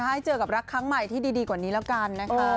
ให้เจอกับรักครั้งใหม่ที่ดีกว่านี้แล้วกันนะคะ